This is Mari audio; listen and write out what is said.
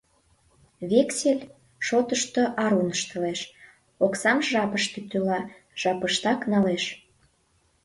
Вексель шотышто арун ыштылеш, оксам жапыште тӱла, жапыштак налеш...